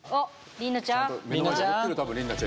りんなちゃん！